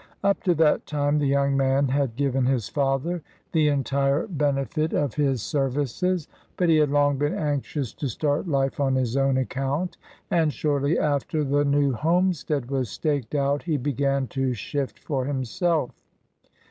Up to that time the young man had given his father the entire benefit of his services, but he had long been anxious to start life on his own account, and shortly after the new home stead was staked out he began to shift for him self.